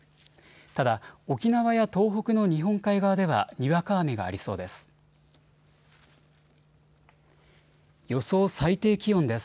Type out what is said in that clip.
ただ、沖縄や東北の日本海側ではにわか雨がありそうです。